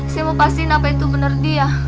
saya mau pastiin apa itu bener dia